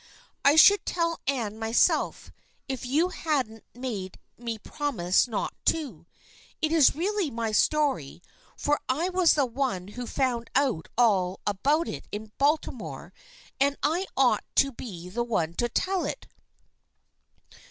I should tell Anne myself, if you hadn't made me promise not to. It is really my story, for I was the one who found out all about it in Baltimore, and I ought to be the one to tell it."